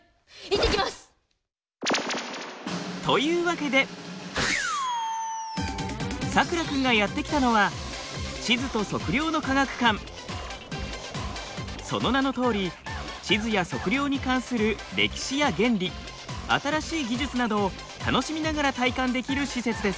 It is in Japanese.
行ってきます！というわけでさくら君がやって来たのはその名のとおり地図や測量に関する歴史や原理新しい技術などを楽しみながら体感できる施設です。